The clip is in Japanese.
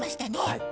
はい。